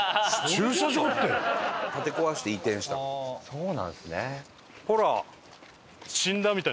そうなんですね。